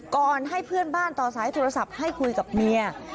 ก่อนให้เพื่อนบ้านต่อสายโทรศัพท์ให้คุยกับเมีย